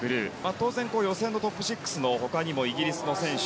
当然、予選のトップ６の他にもイギリスの選手